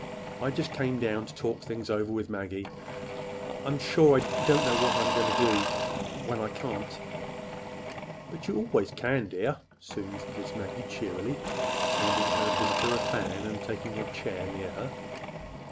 I just came down to talk things over with Maggie. I—I'm sure I don't know w what I'm going to do—when I can't." "But you always can, dear," soothed Miss Maggie cheerily, handing her visitor a fan and taking a chair near her.